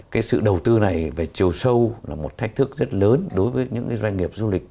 cái sự đầu tư này về chiều sâu là một thách thức rất lớn đối với những cái doanh nghiệp du lịch